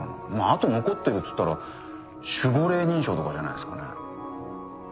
あと残ってるっつったら守護霊認証とかじゃないっすかね。